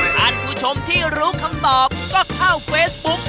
ท่านผู้ชมที่รู้คำตอบก็เข้าเฟซบุ๊ก